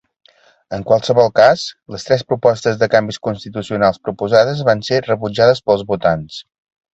En qualsevol cas, les tres propostes de canvis constitucionals proposades van ser rebutjades pels votants.